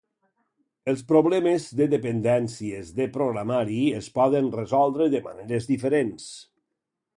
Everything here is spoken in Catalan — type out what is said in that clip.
Els problemes de dependències de programari es poden resoldre de maneres diferents.